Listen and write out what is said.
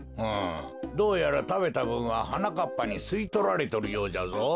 うんどうやらたべたぶんははなかっぱにすいとられとるようじゃぞ。